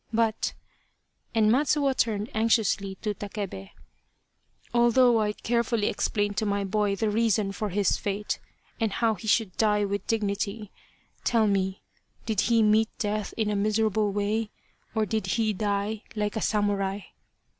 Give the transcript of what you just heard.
But," and Matsuo turned anxiously to Takebe, " although I carefully explained to my boy the reason for his fate, and how he should die with dignity, tell me, did he meet death in a miserable way, or did he die like a samurai